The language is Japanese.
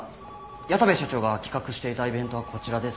矢田部社長が企画していたイベントはこちらです。